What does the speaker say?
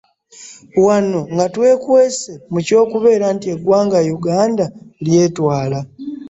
Wano nga twekwese mu ky'okubeera nti eggwanga Uganda lyetwala.